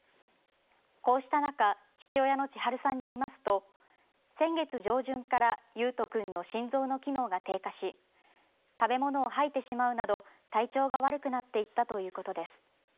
こうした中父親の智春さんによりますと先月上旬から維斗君の心臓の機能が低下し食べ物を吐いてしまうなど体調が悪くなっていったということです。